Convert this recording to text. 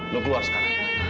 lo keluar sekarang